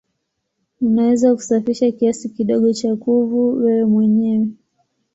Unaweza kusafisha kiasi kidogo cha kuvu wewe mwenyewe.